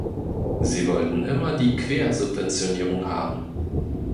Sie wollten immer die Quersubventionierung haben.